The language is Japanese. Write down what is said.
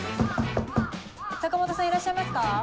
坂本さんいらっしゃいますか？